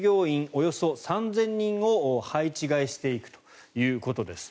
およそ３０００人を配置換えしていくということです。